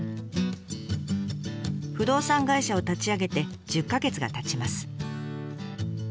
不動産会社を立ち上げて１０か月がたちます。